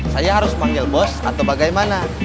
saya harus panggil bos atau bagaimana